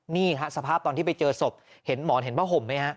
นี่ฮะสภาพตอนที่ไปเจอศพเห็นหมอนเห็นผ้าห่มไหมฮะ